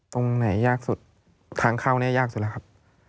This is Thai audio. ตรงไหนยากสุดทางเข้าเนี่ยยากสุดแล้วครับ